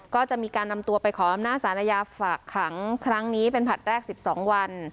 ก็จะมีการนำตัวไปขออำนาจสารอาญาฝากขังครั้งนี้เป็นผลัดแรก๑๒วัน